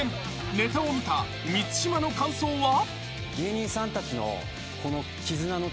［ネタを見た満島の感想は］